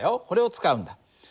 これを使うんだ。